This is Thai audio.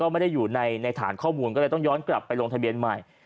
ไม่ได้อยู่ในฐานข้อมูลก็เลยต้องย้อนกลับไปลงทะเบียนใหม่